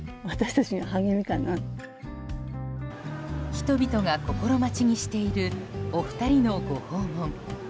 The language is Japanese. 人々が心待ちにしているお二人のご訪問。